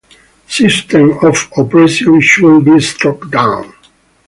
Systems of oppression should be struck down!